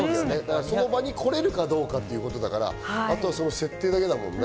その場に来られるかどうかだから、あとは設定だけだもんね。